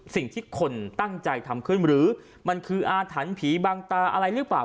สิ่งที่คนตั้งใจทำขึ้นหรือมันคืออาถรรพ์ผีบางตาอะไรหรือเปล่า